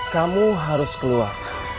kamu harus keluar